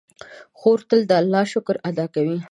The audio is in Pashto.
خور تل د الله شکر ادا کوي.